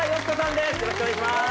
よろしくお願いします。